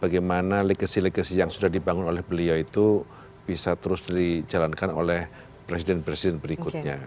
bagaimana legasi legasi yang sudah dibangun oleh beliau itu bisa terus dijalankan oleh presiden presiden berikutnya